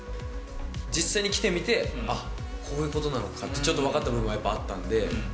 実際に来てみて、あっ、こういうことなのかって、ちょっと分かった部分があったんで。